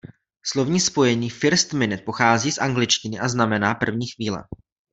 Slovní spojení First Minute pochází z angličtiny a znamená ""první chvíle"".